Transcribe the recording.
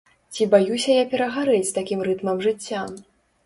Ці баюся я перагарэць з такім рытмам жыцця?